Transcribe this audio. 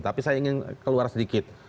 tapi saya ingin keluar sedikit